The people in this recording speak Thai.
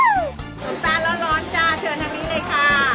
สวัสดิ์ตาร้อนจ้าเชิญทางนี้เลยค่ะ